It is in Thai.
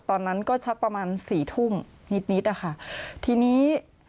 ตอนนั้นก็จะประมาณ๔ทุ่มนิดค่ะทีนี้